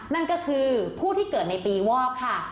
นั่นก็คือผู้ที่เกิดในปีวอกค่ะ